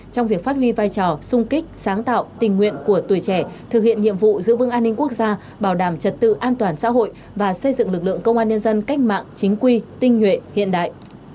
trong việc phát huy vai trò sung kích sáng tạo tình nguyện của tuổi trẻ thực hiện nhiệm vụ giữ vững an ninh quốc gia bảo đảm trật tự an toàn xã hội và xây dựng lực lượng công an nhân dân cách mạng chính quy tinh nhuệ hiện đại